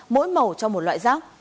mỗi màu cho một loại rác